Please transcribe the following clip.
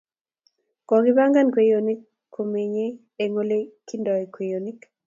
Kogipangan kwenyonik komnyei eng ole kindenoi kwenyonik